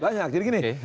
banyak jadi gini